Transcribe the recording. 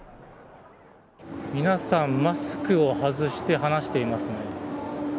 皆さん、マスクを外して話していますね。